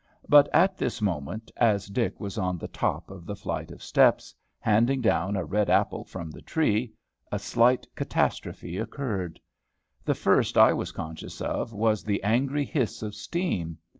But at this moment, as Dick was on the top of the flight of steps, handing down a red apple from the tree, a slight catastrophe occurred. The first I was conscious of was the angry hiss of steam.